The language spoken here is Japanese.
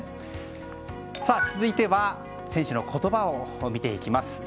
続いては選手の言葉を見ていきます。